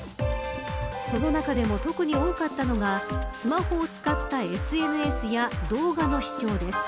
その中でも特に多かったのがスマホを使ったＳＮＳや動画の視聴です。